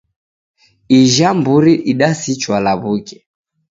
Ijha mburi idasichwa law'uke